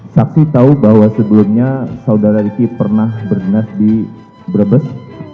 saksi tahu bahwa sebelumnya saudara riki pernah berdinasti berbes